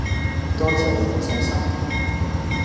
多謝你咁細心